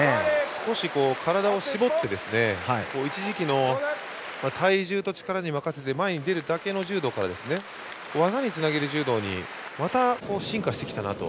少し体を絞って一時期の体重と力に任せて、前に出るだけの柔道から技につなげる柔道にまた進化してきたなと。